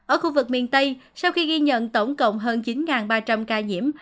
ở khu vực miền tây sau khi ghi nhận tổng cộng hơn chín ba trăm linh ca nhiễm